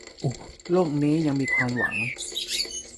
โลกนี้ยังมีความหวัง